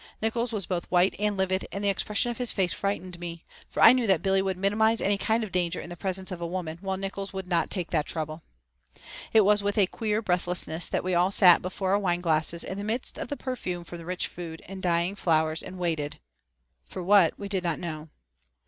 Nickols was both white and livid and the expression of his face frightened me, for I knew that Billy would minimize any kind of danger in the presence of a woman while Nickols would not take that trouble. It was with a queer breathlessness that we all sat before our wine glasses in the midst of the perfume from the rich food and dying flowers and waited for what we didn't know.